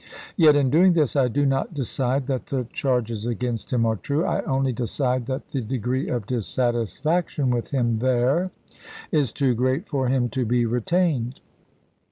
Yet in doing this I do not decide that the charges against him are true. I only decide that the de gree of dissatisfaction with him there is too great for him to be retained.